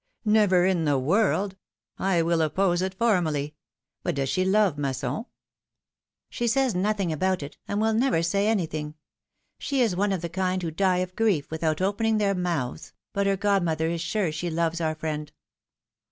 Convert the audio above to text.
Never in the world ! I will oppose it formally ! But does she love Masson ?" She says nothing about it, and will never say anything; she is one of the kind who die of grief without opening their mouths, but her godmother is sure she loves our friend."